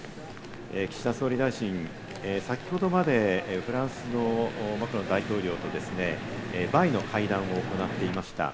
岸田総理大臣、先ほどまでフランスのマクロン大統領と会談を行っていました。